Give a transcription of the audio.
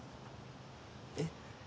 えっ？